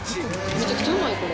めちゃくちゃうまい。